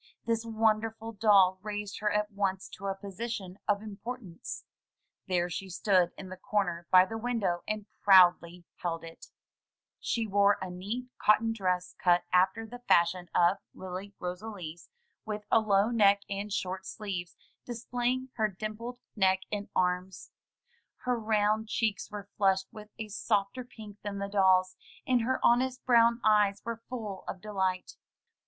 This wonderful doll raised her at once to a position of importance. There she stood in the comer by the window, and proudly held it. She wore 90 THROUGH FAIRY HALLS a neat cotton dress cut after the fashion of Lily Rosalie's, with a low neck and short sleeves, displaying her dimpled neck and arms. Her round cheeks were flushed with a softer pink than the doll's, and her honest brown eyes were full of delight.